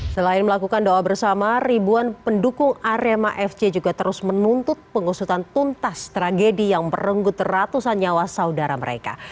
selain melakukan doa bersama ribuan pendukung arema fc juga terus menuntut pengusutan tuntas tragedi yang merenggut ratusan nyawa saudara mereka